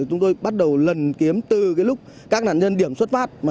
chúng tôi bắt đầu lần kiếm từ lúc các nạn nhân điểm xuất phát